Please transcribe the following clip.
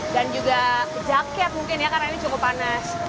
dan juga jaket mungkin ya karena ini cukup panas